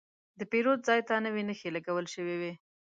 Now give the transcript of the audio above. د پیرود ځای ته نوې نښې لګول شوې وې.